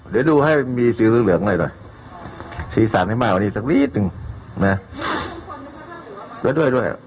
เดี๋ยวดูให้มีสีเหลือเหลืองหน่อยหน่อยสีสันให้มากกว่านี้สักนิดหนึ่งนะด้วยด้วย